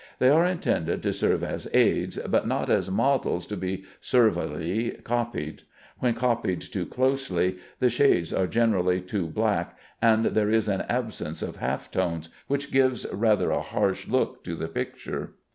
They are intended to serve as aids, but not as models to be servilely copied. When copied too closely, the shades are generally too black, and there is an absence of half tones, which gives rather a harsh look to the picture.